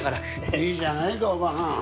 いいじゃないかおばはん。